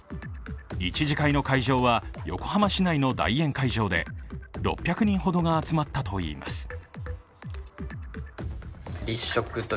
１次会の会場は、横浜市内の大宴会場で６００人ほどが集まったといいます。